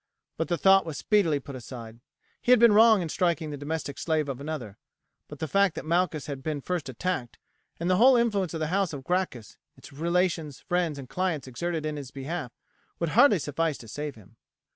But the thought was speedily put aside. He had been wrong in striking the domestic slave of another; but the fact that Malchus had been first attacked, and the whole influence of the house of Gracchus, its relations, friends, and clients exerted in his behalf, would hardly suffice to save him.